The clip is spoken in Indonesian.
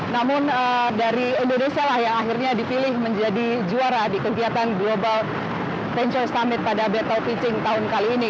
namun dari indonesia lah yang akhirnya dipilih menjadi juara di kegiatan global venture summit pada battle pitching tahun kali ini